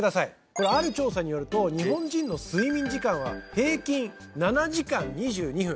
これある調査によると日本人の睡眠時間は平均７時間２２分